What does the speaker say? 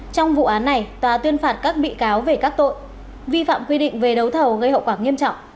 trong vụ án này tòa tuyên phạt các bị cáo về các tội vi phạm quy định về đấu thầu gây hậu quả nghiêm trọng